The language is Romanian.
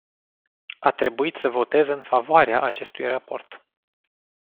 A trebuit să votez în favoarea acestui raport.